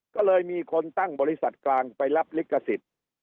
ก็เลยมีคนตั้งบริษัทกลางไปรับลิขสิทธิ์